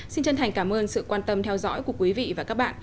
xin chân thành cảm ơn sự quan tâm theo dõi của quý vị và các bạn